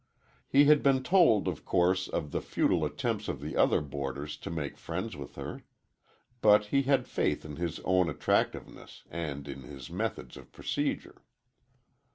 He had been told, of course, of the futile attempts of the other boarders to make friends with her, but he had faith in his own attractiveness and in his methods of procedure.